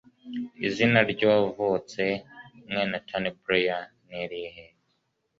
izina ry’uwavutse mwene Tony Blair ni irihe?